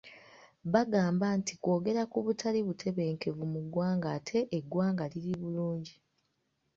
Bagamba nti kwogera ku butali butebenkevu muggwanga ate eggwanga liri bulungi.